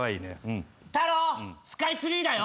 タロウスカイツリーだよ。